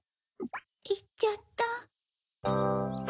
いっちゃった。